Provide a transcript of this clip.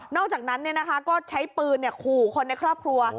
อกจากนั้นก็ใช้ปืนขู่คนในครอบครัว